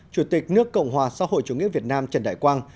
chủ tịch nước cộng hòa xã hội chủ nghĩa việt nam trần đại quang